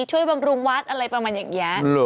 บำรุงวัดอะไรประมาณอย่างนี้